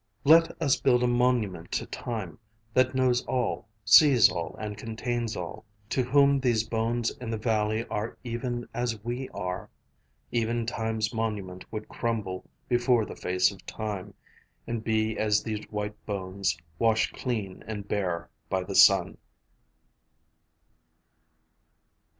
. Let us build a monument to Time That knows all, sees all, and contains all, To whom these bones in the valley are even as we are: Even Time's monument would crumble Before the face of Time, And be as these white bones Washed clean and bare by the sun